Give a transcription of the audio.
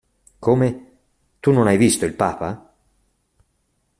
Come, tu non hai visto il papa?